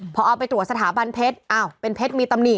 พอเอาไปตัวสถาบันเพชรเป็นเพชรมีตำนี่